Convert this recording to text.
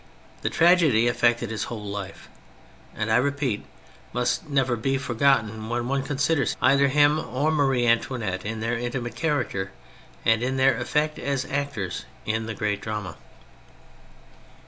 The tragedy affected his whole life, and, I repeat, must never be forgotten when one considers either him or Marie Antoinette in their intimate character, and in their effect as actors in the great drama.